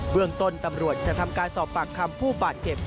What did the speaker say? เมืองต้นตำรวจจะทำการสอบปากคำผู้บาดเจ็บ